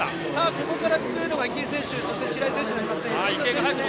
ここから強いのが池江選手そして白井選手になりますね。